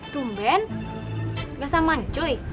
tumben nggak saman cuy